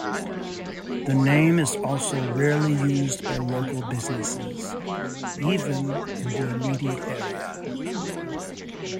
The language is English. The name is also rarely used by local businesses, even in the immediate area.